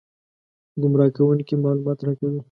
ګمراه کوونکي معلومات راکوي.